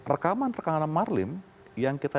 rekaman rekaman marlim yang kita